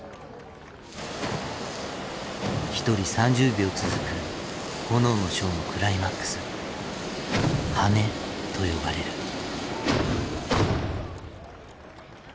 一人３０秒続く炎のショーのクライマックスハネと呼ばれる。